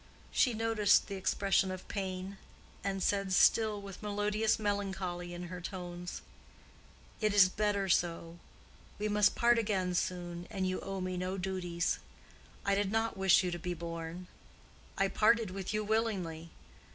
She noticed the expression of pain, and said, still with melodious melancholy in her tones, "It is better so. We must part again soon and you owe me no duties. I did not wish you to be born. I parted with you willingly.